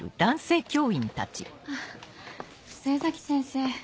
あっ末崎先生。